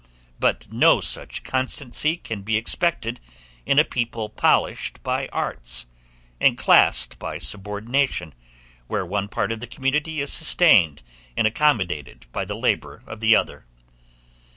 But no such constancy can be expected in a people polished by arts, and classed by subordination, where one part of the community is sustained and accommodated by the labor of the other.